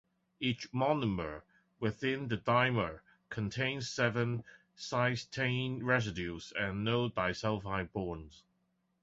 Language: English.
Each monomer within the dimer contains seven cysteine residues and no disulphide bonds.